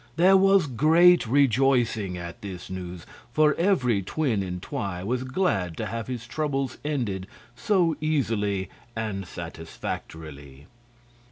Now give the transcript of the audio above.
There was great rejoicing at this news, for every twin in Twi was glad to have his troubles ended so easily and satisfactorily.